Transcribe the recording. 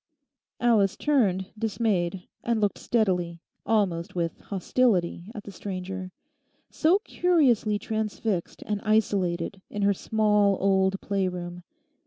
Alice turned, dismayed, and looked steadily, almost with hostility, at the stranger, so curiously transfixed and isolated in her small old play room.